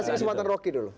kasih kesempatan rocky dulu